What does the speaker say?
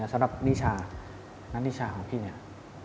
แล้วสำหรับนิชาน้ำนิชาของพี่เนี่ย